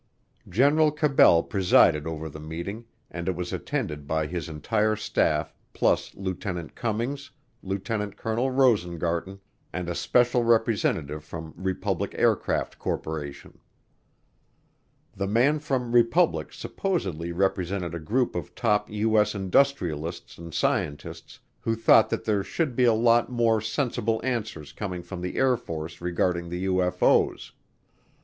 General Cabell presided over the meeting, and it was attended by his entire staff plus Lieutenant Cummings, Lieutenant Colonel Rosengarten, and a special representative from Republic Aircraft Corporation. The man from Republic supposedly represented a group of top U.S. industrialists and scientists who thought that there should be a lot more sensible answers coming from the Air Force regarding the UFO's.